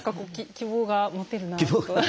希望が持てるなと。